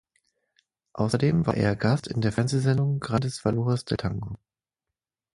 Außerdem war er Gast in der Fernsehsendung "Grandes valores del tango".